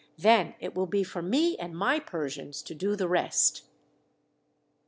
Then it will be for me and my Persians to do the rest."